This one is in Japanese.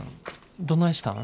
どないしたん？